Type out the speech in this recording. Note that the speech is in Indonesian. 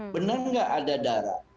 benar nggak ada darah